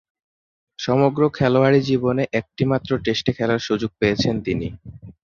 সমগ্র খেলোয়াড়ী জীবনে একটিমাত্র টেস্টে খেলার সুযোগ পেয়েছেন তিনি।